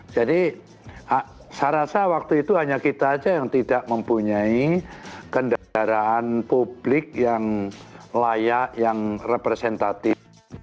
jadi saya rasa waktu itu hanya kita saja yang tidak mempunyai kendaraan publik yang layak yang representatif